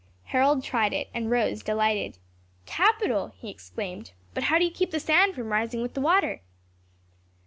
Harold tried it, and rose delighted. "Capital!" he exclaimed; "but how do you keep the sand from rising with the water?"